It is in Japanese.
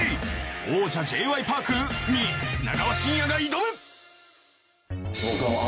王者Ｊ．Ｙ．Ｐａｒｋに砂川信哉が挑む！